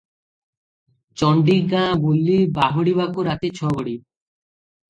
ଚଣ୍ଡୀ ଗାଁ ବୁଲି ବାହୁଡ଼ିବାକୁ ରାତି ଛ ଘଡ଼ି ।